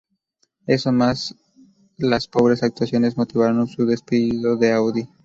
Eso más las pobres actuaciones motivaron su despido de Audi.